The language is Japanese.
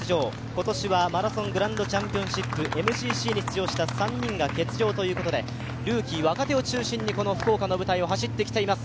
今年はマラソングランドチャンピオンシップ、ＭＧＣに出場した３人が欠場ということでルーキー、若手を中心にこの福岡の舞台を走っています。